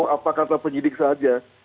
apa kata penyidik saja